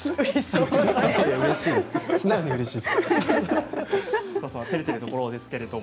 素直にうれしいです。